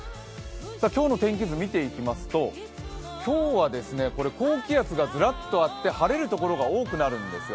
今日の天気図を見ていきますと、きょうは高気圧がずらっとあって晴れるところが多くなるんですよ。